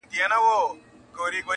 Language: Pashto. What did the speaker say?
هم راغلي كليوال وه هم ښاريان وه٫